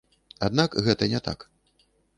Аднак гэта не так.